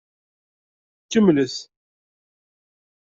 Kemmlet!